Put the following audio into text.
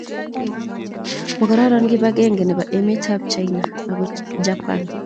Magogororon kibagenge nebo emetab China ago Japan